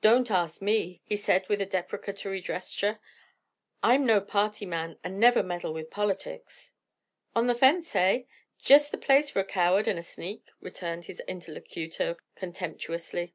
"Don't ask me," he said with a deprecatory gesture! "I'm no party man and never meddle with politics." "On the fence, hey? Just the place for a coward and a sneak," returned his interlocutor contemptuously.